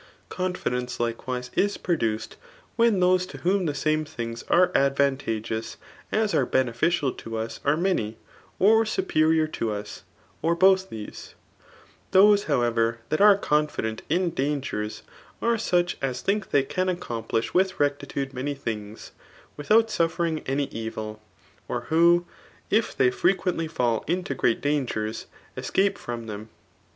Confidence likewise is praducedy when those to whom the same things are advantageous as are beneficial to us are many, or superior to U9, or both thescr Those, however, that are confident in dangers are such as thmk they can accomplish with rectitude rauy dungs, without suffering any evil; or who, if they frstyie&tly fell into great dangetab esoipe from them.